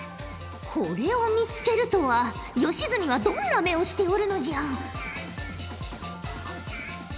これを見つけるとは吉住はどんな目をしておるのじゃ。